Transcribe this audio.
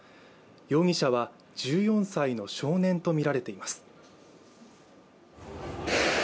容疑者は１４歳の少年とみられています。